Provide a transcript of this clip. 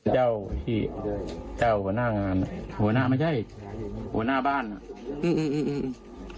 เจ้าที่เจ้าหัวหน้างานหัวหน้าไม่ใช่หัวหน้าบ้านอ่ะอืม